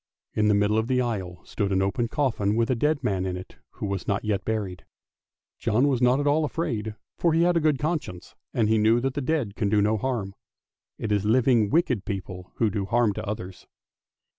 In the middle of the aisle stood an open coffin with a dead man in it who was not yet buried. John was not at all afraid, for he had a good conscience, and he knew that the dead can do no harm ; it is living wicked people who do harm to others.